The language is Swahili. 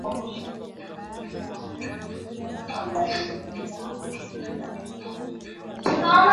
Mimi aliniona nilikokuwa nimechoka, nimechakaa.